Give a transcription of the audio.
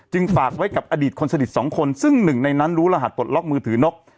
ฝากไว้กับอดีตคนสนิทสองคนซึ่งหนึ่งในนั้นรู้รหัสปลดล็อกมือถือนก